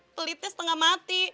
pelitnya setengah mati